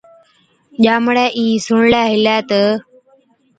ڄامڙَي اِين سُڻلَي هِلَي تہ،